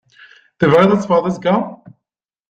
Tebɣiḍ ad teffɣeḍ azekka?